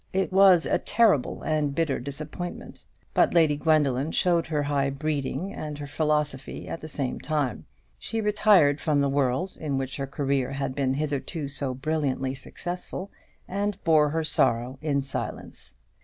It was a terrible and bitter disappointment; but Lady Gwendoline showed her high breeding and her philosophy at the same time. She retired from the world in which her career had been hitherto so brilliantly successful, and bore her sorrow in silence.